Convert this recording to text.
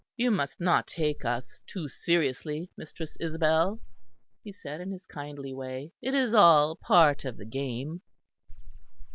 "You must not take us too seriously, Mistress Isabel," he said in his kindly way. "It is all part of the game."